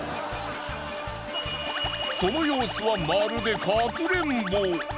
その様子はまるでかくれんぼ。